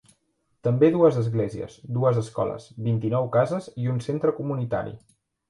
També dues esglésies, dues escoles, vint-i-nou cases i un centre comunitari.